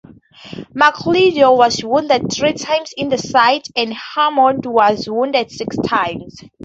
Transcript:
McLeod was wounded three times in the side and Hammond was wounded six times.